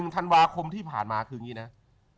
ธันวาคมที่ผ่านมาคืออย่างนี้นะ